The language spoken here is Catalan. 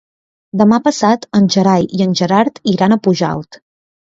Demà passat en Gerai i en Gerard iran a Pujalt.